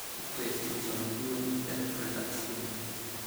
Su questo vi sono due interpretazioni.